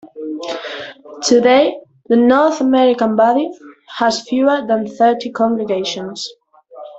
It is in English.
Today the North American body has fewer than thirty congregations.